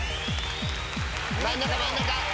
真ん中真ん中。